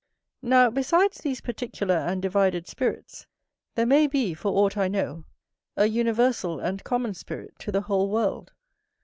Now, besides these particular and divided spirits, there may be (for aught I know) a universal and common spirit to the whole world.